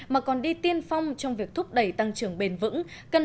mà còn đi tiên phong trong việc thúc đẩy tăng trưởng bền vững